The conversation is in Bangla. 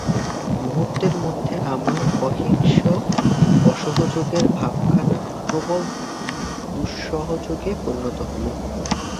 মুহূর্তের মধ্যেই আমার অহিংস অসহযোগের ভাবখানা প্রবল দুঃসহযোগে পরিণত হল।